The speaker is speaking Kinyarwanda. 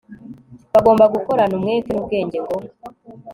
bagomba gukorana umwete nubwenge ngo